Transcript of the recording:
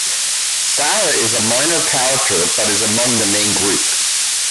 Sara is a minor character but is among the main group.